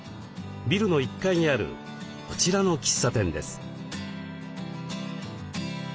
ビルの１階にあるこちらの喫茶店です。